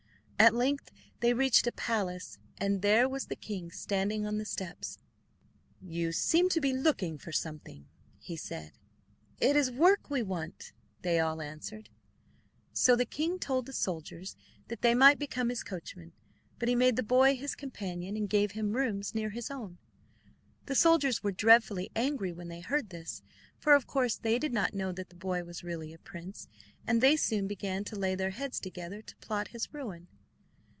At length they reached a palace, and there was the king standing on the steps. "You seem to be looking for something," said he. "It is work we want," they all answered. So the king told the soldiers that they might become his coachmen; but he made the boy his companion, and gave him rooms near his own. The soldiers were dreadfully angry when they heard this, for of course they did not know that the boy was really a prince; and they soon began to lay their heads together to plot his ruin.